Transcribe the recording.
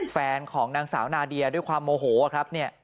แฟนของนางสาวนาเดียด้วยความโมโหครับเนี่ย